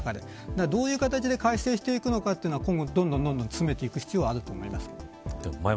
どういう形で改正するのかは今後どんどん詰めていく必要があると思います。